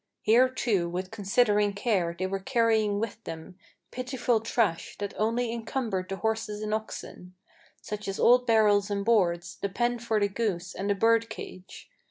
Here, too, with unconsidering care they were carrying with them Pitiful trash, that only encumbered the horses and oxen; Such as old barrels and boards, the pen for the goose, and the bird cage.